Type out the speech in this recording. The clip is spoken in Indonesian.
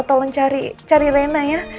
tolong cari cari rena ya